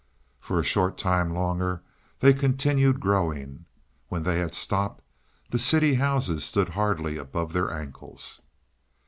For a short time longer they continued growing; when they had stopped the city houses stood hardly above their ankles.